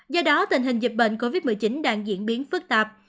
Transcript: do đó tình hình dịch bệnh covid một mươi chín đang diễn biến phức tạp